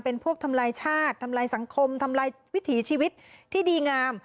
เป็นพวกทำลายชาติทำลายสังคมทำลายวิถีชีวิตที่ดีงาม